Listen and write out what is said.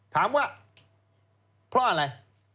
ถามว่าเพราะอะไร